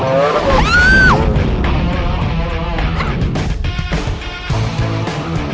benar benar ini harus saya kasih pelajaran